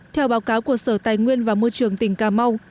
theo báo cáo của sở tài nguyên và môi trường tỉnh cà mau